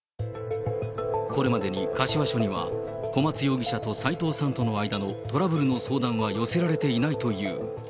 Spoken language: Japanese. これまでに柏署には、小松容疑者と斎藤さんとの間のトラブルの相談は寄せられていないという。